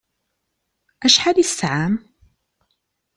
Acḥal i tesɛam?